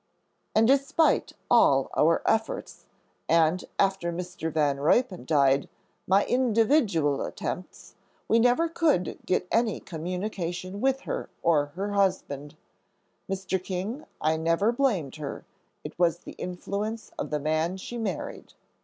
"And despite all our efforts, and, after Mr. Van Ruypen died, my individual attempts, we never could get any communication with her or her husband. Mr. King, I never blamed her; it was the influence of the man she married."